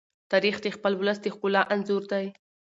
تاریخ د خپل ولس د ښکلا انځور دی.